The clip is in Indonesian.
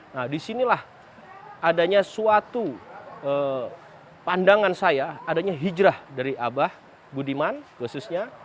nah disinilah adanya suatu pandangan saya adanya hijrah dari abah budiman khususnya